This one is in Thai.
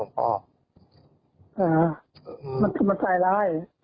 อ่ามันใส่ร้าย